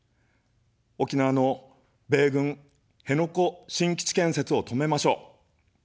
沖縄の米軍辺野古新基地建設を止めましょう。